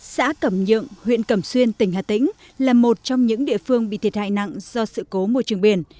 xã cẩm nhượng huyện cẩm xuyên tỉnh hà tĩnh là một trong những địa phương bị thiệt hại nặng do sự cố môi trường biển